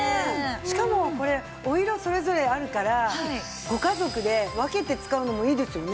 しかもこれお色それぞれあるからご家族で分けて使うのもいいですよね。